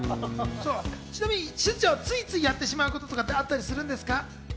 ちなみに、しずちゃんはついついやってしまうこととかあったりするんですか？